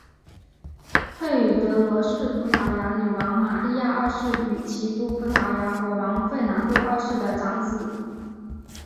佩德罗是葡萄牙女王玛莉亚二世与其夫葡萄牙国王费南度二世的长子。